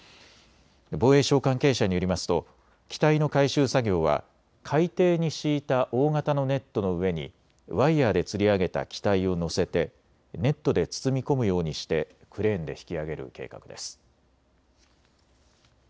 防衛省関係者によりますと機体の回収作業は海底に敷いた大型のネットの上にワイヤーでつり上げた機体を乗せてネットで包み込むようにしてクレーンで引き揚げる計画です。